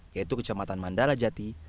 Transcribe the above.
yaitu kecamatan mandala jati